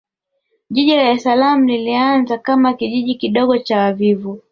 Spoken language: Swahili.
jiji la dar es salaam lilianza kama kijiji kidogo cha wavuvi